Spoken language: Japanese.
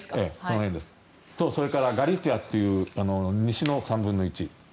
それからガリツィアという西の３分の１